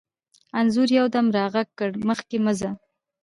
انځور یو دم را غږ کړ: مخکې مه ځه.